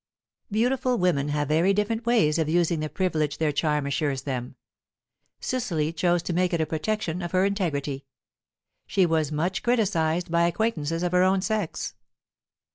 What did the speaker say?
Beautiful women have very different ways of using the privilege their charm assures them; Cecily chose to make it a protection of her integrity. She was much criticized by acquaintances of her own sex.